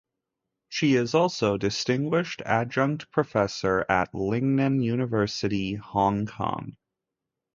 She is also Distinguished Adjunct Professor at Lingnan University, Hong Kong.